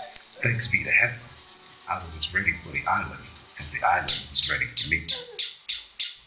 Thanks be to Heaven, I was as ready for the island as the island was ready for me.